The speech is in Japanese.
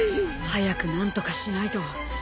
早く何とかしないと。